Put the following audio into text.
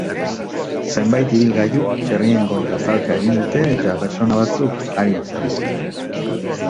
Zenbait ibilgailuk txerrien kontra talka egin dute eta pertsona batzuk arin zauritu dira.